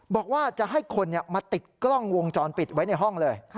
บอกว่าจะให้คนมาติดกล้องวงจรปิดไว้ในห้องเลย